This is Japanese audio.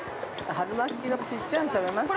◆春巻の小っちゃいの食べますか。